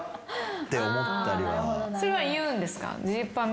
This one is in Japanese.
それは言うんですか？